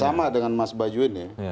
sama dengan mas bajo ini